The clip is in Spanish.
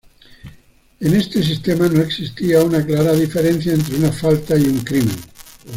En este sistema, no existía una clara diferencia entre una falta y un crimen.